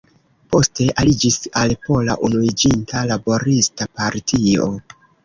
Poste aliĝis al Pola Unuiĝinta Laborista Partio.